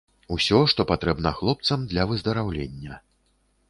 Усё, што патрэбна хлопцам для выздараўлення.